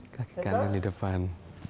kaki kanan di depan